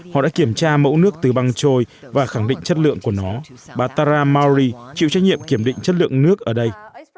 họ đã kiểm tra mẫu nước từ băng trôi và khẳng định chất lượng của nó bà tara mari chịu trách nhiệm kiểm định chất lượng nước ở đây